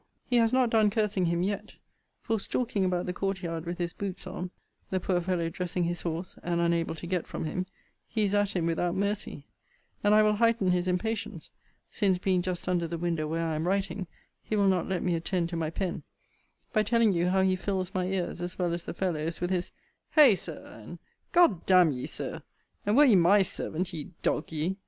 He has not done cursing him yet; for stalking about the court yard with his boots on, (the poor fellow dressing his horse, and unable to get from him,) he is at him without mercy; and I will heighten his impatience, (since being just under the window where I am writing, he will not let me attend to my pen,) by telling you how he fills my ears as well as the fellow's, with his Hay, Sir! And G d d n ye, Sir! And were ye my servant, ye dog ye!